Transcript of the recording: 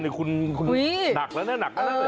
เลยคุณหนักละนั้น